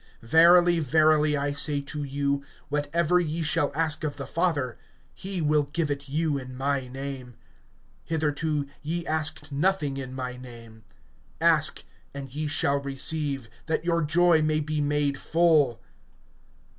Verily, verily, I say to you: Whatever ye shall ask of the Father, he will give it you in my name. (24)Hitherto ye asked nothing in my name. Ask, and ye shall receive, that your joy may be made full.